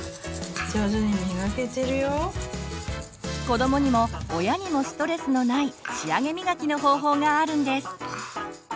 子どもにも親にもストレスのない仕上げみがきの方法があるんです。